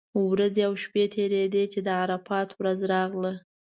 ورځې او شپې تېرېدې چې د عرفات ورځ راغله.